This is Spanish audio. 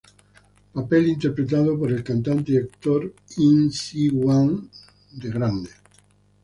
Papel interpretado por el cantante y actor Im Si-wan de grande.